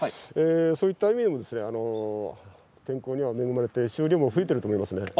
そういった意味では天候に恵まれて収量も増えていると思います。